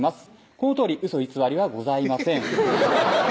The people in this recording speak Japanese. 「このとおりウソ偽りはございません」